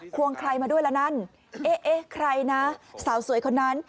วงใครมาด้วยละนั่นเอ๊ะใครนะสาวสวยคนนั้น